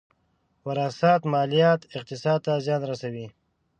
وراثت ماليات اقتصاد ته زیان رسوي.